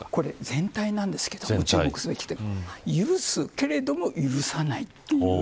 全体なんですけど注目すべき点は許すけれども、許さないという。